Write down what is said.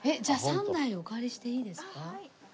じゃあ３台お借りしていいですか？